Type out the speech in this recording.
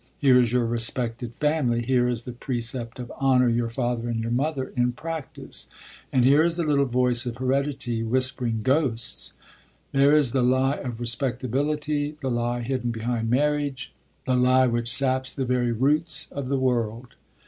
Here is your respected family, here is the precept of 'honour your father and your mother' in practice; and here is the little voice of heredity whispering 'ghosts!' There is the lie of respectability, the lie hidden behind marriage, the lie which saps the very roots of the world.